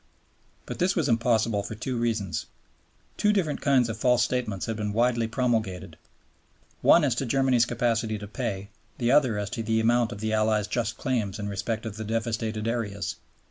But this was impossible for two reasons. Two different kinds of false statements had been widely promulgated, one as to Germany's capacity to pay, the other as to the amount of the Allies' just claims in respect of the devastated areas.